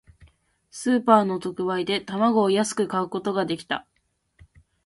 スーパーの特売で、卵を安く買うことができた。